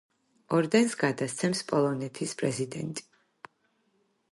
ორდენს გადასცემს პოლონეთის პრეზიდენტი.